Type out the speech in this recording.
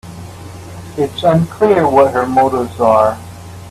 It is unclear what her motives are.